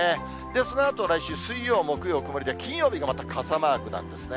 そのあと、来週水曜、木曜、曇りで、金曜がまた傘マークなんですね。